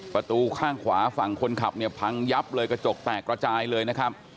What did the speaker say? ประตูข้างขวาฝั่งคนขับเนี่ยพังยับเลยกระจกแตกระจายเลยนะครับ